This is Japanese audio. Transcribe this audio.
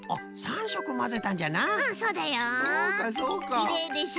きれいでしょ？